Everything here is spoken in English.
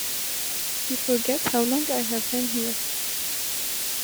You forget how long I have been here.